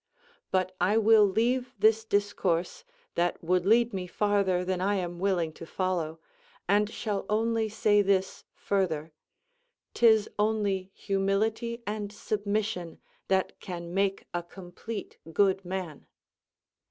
But I will leave this discourse, that would lead me farther than I am willing to follow; and shall only say this further, 'tis only humility and submission that can make a complete good man.